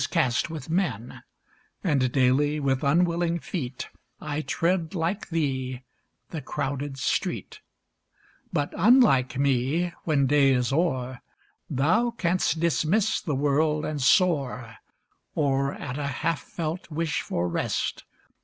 cast with men; And daily, with unwilling feet, 1 tread, like thee, the crowded street ; But, unlike me, when day is o'er. Thou canst dismiss the world and soar, Or, at a half felt wish for rest.